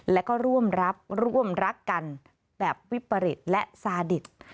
แล้วก็ร่วมรับร่วมรักกันแบบวิปริตและซาดิต